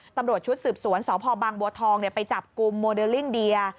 ตำรวจชุดสืบสวนสพบางบัวทองไปจับกลุ่มโมเดลลิ่งเดีย